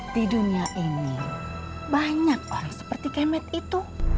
di dunia ini banyak orang seperti kemet itu